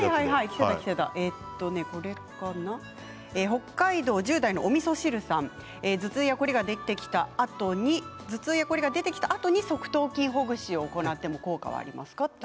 北海道１０代の方頭痛や凝りが出てきたあとに側頭筋ほぐしを行っても効果がありますか？